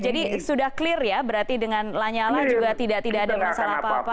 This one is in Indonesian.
jadi sudah clear ya berarti dengan lanya lah juga tidak ada masalah apa apa